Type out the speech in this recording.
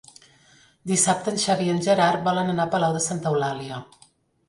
Dissabte en Xavi i en Gerard volen anar a Palau de Santa Eulàlia.